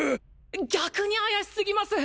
逆に怪しすぎます